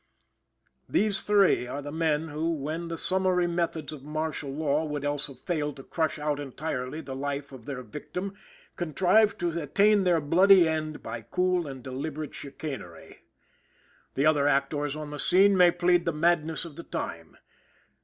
These three are the men who, when the summary methods of martial law would else have failed to crush out entirely the life of their victim, contrived to attain their bloody end by cool and deliberate chicanery. The other actors on the scene may plead the madness of the time.